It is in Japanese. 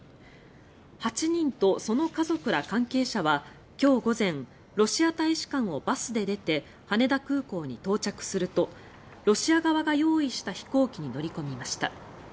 ８人とその家族ら関係者は今日午前ロシア大使館をバスで出て羽田空港に到着するとロシア側が用意した飛行機に乗り込みました。